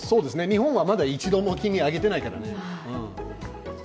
日本はまだ一度も金利を上げてないからね。